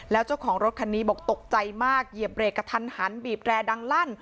แล้วเจ้าของรถคันนี้บอกตกใจมากเหยียบเรกกระทันหันบีบแรดังลั่น